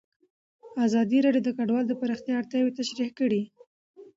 ازادي راډیو د کډوال د پراختیا اړتیاوې تشریح کړي.